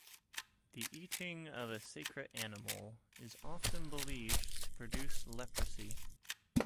The eating of a sacred animal is often believed to produce leprosy.